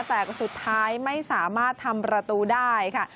แต่สุดท้ายไม่สามารถทำประตูได้ค่ะ